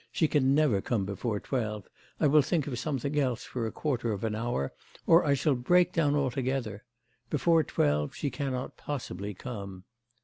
'She can never come before twelve: I will think of something else for a quarter of an hour, or I shall break down altogether. Before twelve she cannot possibly come.